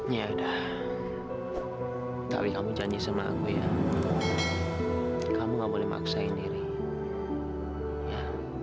ya udah tapi kamu janji sama aku ya kamu gak boleh maksain diri ya